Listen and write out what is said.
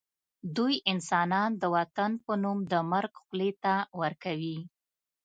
دوی انسانان د وطن په نوم د مرګ خولې ته ورکوي